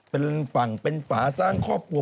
เป็นฝั่งเป็นฝาสร้างครอบครัว